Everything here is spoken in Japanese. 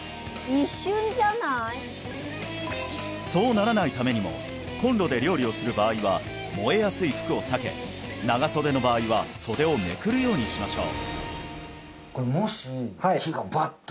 そうならないためにもコンロで料理をする場合は燃えやすい服を避け長袖の場合は袖をめくるようにしましょう